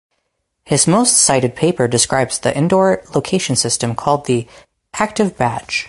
His most cited paper describes the indoor location system called the Active Badge.